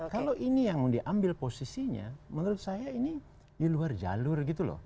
kalau ini yang mau diambil posisinya menurut saya ini di luar jalur gitu loh